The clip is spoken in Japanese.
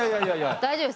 大丈夫ですか？